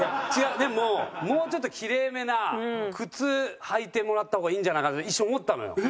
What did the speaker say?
でももうちょっとキレイめな靴履いてもらった方がいいんじゃないかって一瞬思ったのよ。